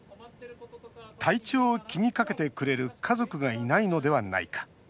体調を気にかけてくれる家族がいないのではないか。